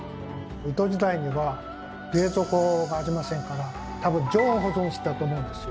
江戸時代には冷蔵庫がありませんから多分常温保存していたと思うんです。